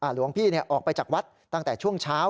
หลวงพี่ออกไปจากวัดตั้งแต่ช่วงเช้า